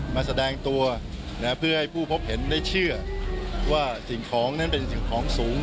มาแสดงตัวเพื่อให้ผู้พบเห็นได้เชื่อว่าสิ่งของนั้นเป็นสิ่งของสูง